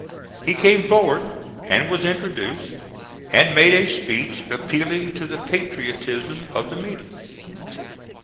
He came forward and was introduced, and made a speech appealing to the patriotism of the meeting.